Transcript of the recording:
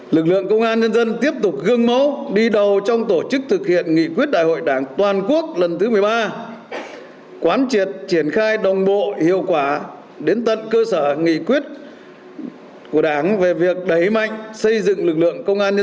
lực lượng công an nhân dân tiếp tục gương mẫu đi đầu trong tổ chức thực hiện nghị quyết đại hội đảng toàn quốc lần thứ một mươi ba quán triệt triển khai đồng bộ hiệu quả đến tận cơ sở nghị quyết của đảng về việc đẩy mạnh xây dựng lực lượng công an nhân dân